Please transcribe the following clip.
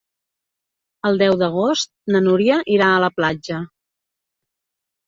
El deu d'agost na Núria irà a la platja.